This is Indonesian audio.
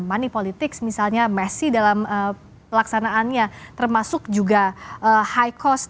money politics misalnya messi dalam pelaksanaannya termasuk juga high cost